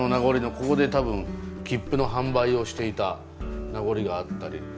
ここで多分切符の販売をしていた名残があったり。